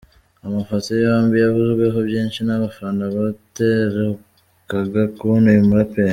Aya mafoto yombi yavuzweho byinshi n’abafana bataherukaga kubona uyu muraperi.